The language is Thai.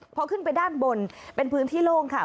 พอขึ้นไปด้านบนเป็นพื้นที่โล่งค่ะ